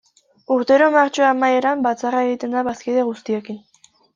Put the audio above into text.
Urtero martxoa amaieran batzarra egiten da bazkide guztiekin.